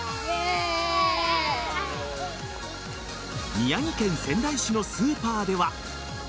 宮城県仙台市のスーパーでは。